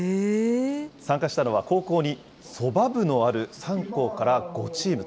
参加したのは高校にそば部のある３校から５チーム。